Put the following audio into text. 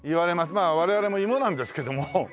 まあ我々も芋なんですけども。